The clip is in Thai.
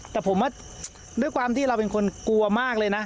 แต่ผมว่าด้วยความที่เราเป็นคนกลัวมากเลยนะ